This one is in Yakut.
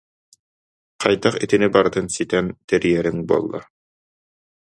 Хайдах итини барытын ситэн тэрийэриҥ буолла!